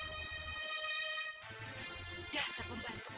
tidak ada yang bisa membantu saya